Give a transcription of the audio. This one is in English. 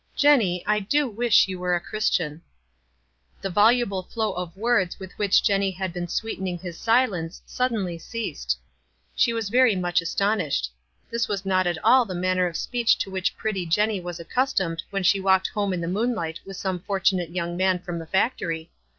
"Jenny, I do wish you were a Christian !" The voluble flow of words with which Jenny had been sweetening his silence suddenly ceased. She was very much astonished. This was not at all the manner of speech to which pretty Jenny was accustomed when she walked home in the moonhght with some fortunate young man from the factory.